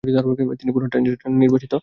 তিনি পুনরায় ট্রান্সজর্ডানে নির্বাসিত হন।